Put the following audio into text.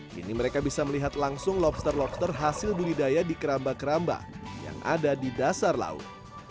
kini mereka bisa melihat langsung lobster lobster hasil budidaya di keramba keramba yang ada di dasar laut